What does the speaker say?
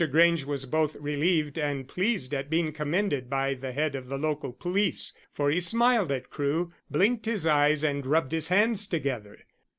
Grange was both relieved and pleased at being commended by the head of the local police, for he smiled at Crewe, blinked his eyes, and rubbed his hands together.